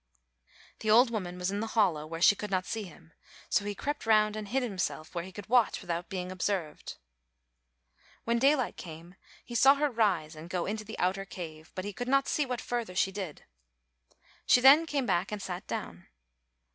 The old woman was in the hollow where she could not see him; so he crept round and hid himself where he could watch without being observed. When daylight came he saw her rise and go into the outer cave; but he could not see what further she did. She then came back and sat down.